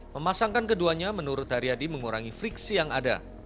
memasangkan keduanya menurut ariyadi mengurangi fliksi yang ada